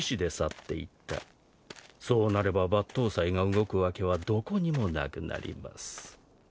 そうなれば抜刀斎が動く訳はどこにもなくなります。